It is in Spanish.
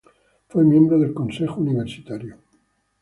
Fue miembro del Consejo Universitario.